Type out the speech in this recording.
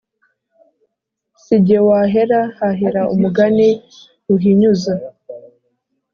Si jye wahera hahera umugani Ruhinyuza